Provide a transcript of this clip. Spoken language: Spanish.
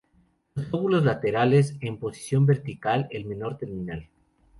Los lóbulos laterales en posición vertical, el menor terminal.